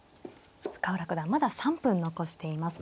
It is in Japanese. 深浦九段まだ３分残しています。